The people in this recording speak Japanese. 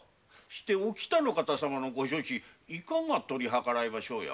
お喜多の方様のご処置いかが取り計らいましょうや？